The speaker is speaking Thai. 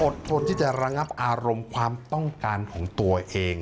ทนที่จะระงับอารมณ์ความต้องการของตัวเอง